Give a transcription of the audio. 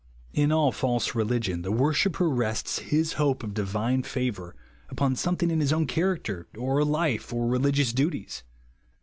In all false religion, the worshipper rests his hope of divine favour upon something in his own character, or life, or religious duties.